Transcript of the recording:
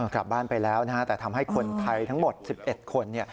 กลับบ้านไปแล้วนะฮะแต่ทำให้คนไทยทั้งหมด๑๑คน